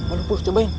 aduh puas cobain